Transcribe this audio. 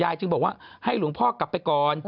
จึงบอกว่าให้หลวงพ่อกลับไปก่อน